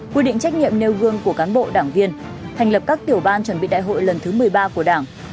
quy định trách nhiệm nêu gương của cán bộ đảng viên thành lập các tiểu ban chuẩn bị đại hội lần thứ một mươi ba của đảng